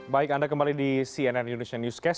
baik anda kembali di cnn indonesia newscast